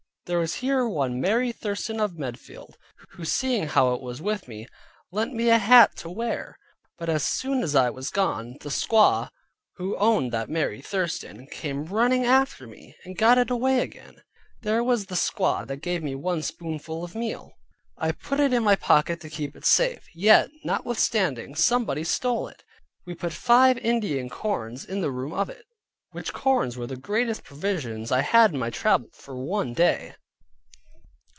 There was here one Mary Thurston of Medfield, who seeing how it was with me, lent me a hat to wear; but as soon as I was gone, the squaw (who owned that Mary Thurston) came running after me, and got it away again. Here was the squaw that gave me one spoonful of meal. I put it in my pocket to keep it safe. Yet notwithstanding, somebody stole it, but put five Indian corns in the room of it; which corns were the greatest provisions I had in my travel for one day.